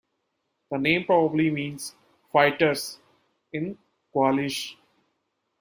The name probably means "fighters" in Gaulish.